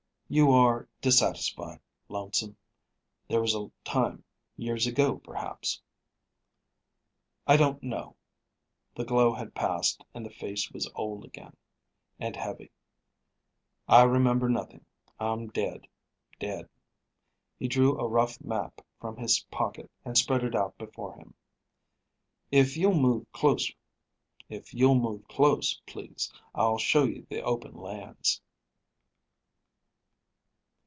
"You are dissatisfied, lonesome There was a time years ago perhaps " "I don't know." The glow had passed and the face was old again, and heavy. "I remember nothing. I'm dead, dead." He drew a rough map from his pocket and spread it out before him. "If you'll move close, please, I'll show you the open lands."